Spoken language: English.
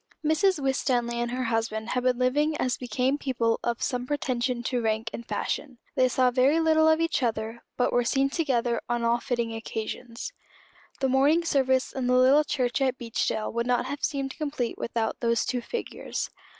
Mrs. Winstanley and her husband had been living as became people of some pretension to rank and fashion. They saw very little of each other, but were seen together on all fitting occasions. The morning service in the little church at Beechdale would not have seemed complete without those two figures.